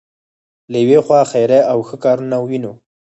له یوې خوا خیریه او ښه کارونه وینو.